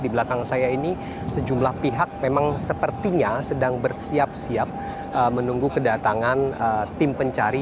di belakang saya ini sejumlah pihak memang sepertinya sedang bersiap siap menunggu kedatangan tim pencari